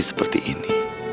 lagi seperti ini